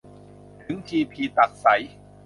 ถึงชีพิตักษัย